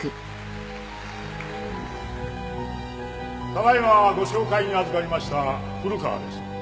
ただ今ご紹介にあずかりました古河です。